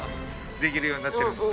できるようになってるんですか。